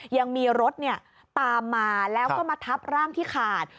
ยังมีรถตามมาแล้วก็มาทับร่างที่ขาด